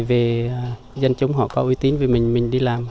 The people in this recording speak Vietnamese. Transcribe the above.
về dân chúng họ có ưu tiên vì mình đi làm